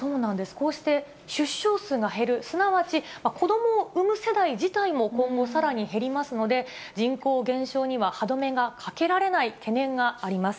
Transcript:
こうして出生数が減る、すなわち子どもを産む世代自体も今後さらに減りますので、人口減少には歯止めがかけられない懸念があります。